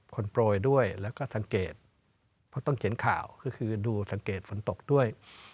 โปรยด้วยแล้วก็สังเกตเพราะต้องเขียนข่าวก็คือดูสังเกตฝนตกด้วย